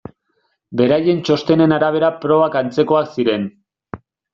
Beraien txostenen arabera probak antzekoak ziren.